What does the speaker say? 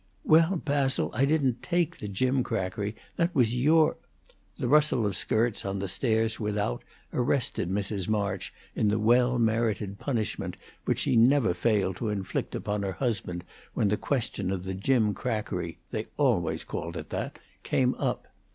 "Well, Basil, I didn't take the gimcrackery. That was your " The rustle of skirts on the stairs without arrested Mrs. March in the well merited punishment which she never failed to inflict upon her husband when the question of the gimcrackery they always called it that came up.